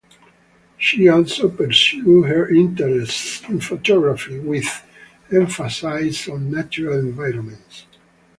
She also pursued her interests in photography, with emphasis on natural environments.